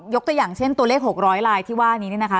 ตัวอย่างเช่นตัวเลข๖๐๐ลายที่ว่านี้เนี่ยนะคะ